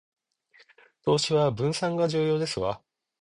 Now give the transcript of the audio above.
投資は分散が重要ですわ